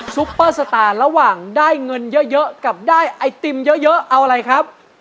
ซุปเปอร์สตาร์ระหว่างได้เงินเยอะกับได้ไอติมเยอะเอาอะไรครับ